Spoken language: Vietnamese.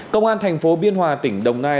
công an thành phố biên hòa tỉnh đồng nai